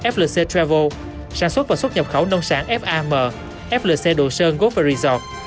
flc travel sản xuất và xuất nhập khẩu nông sản fam flc đồ sơn gover resort